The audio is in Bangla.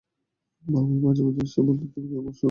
বাবাও মাঝে মাঝে এসে বলেন, তুমি কি আমার সঙ্গে ঘুমুবে মা?